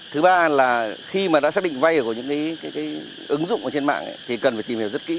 thứ ba là khi mà đã xác định vay của những ứng dụng ở trên mạng thì cần phải tìm hiểu rất kỹ